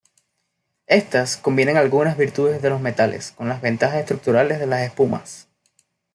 Estas, combinan algunas virtudes de los metales, con las ventajas estructurales de las espumas.